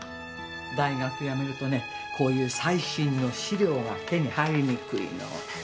大学辞めるとねこういう最新の資料が手に入りにくいの。